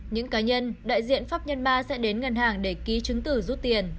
những cá nhân đại diện pháp nhân ba sẽ đến ngân hàng để ký chứng tử rút tiền